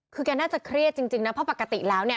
คือแกน่าจะเครียดจริงนะเพราะปกติแล้วเนี่ย